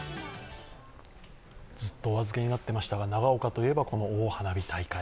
ずっとお預けになっていましたが、長岡といえばこの大花火大会。